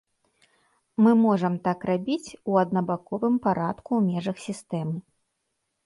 Мы можам так рабіць у аднабаковым парадку ў межах сістэмы.